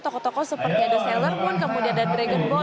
tokoh tokoh seperti ada sailor moon kemudian ada dragon ball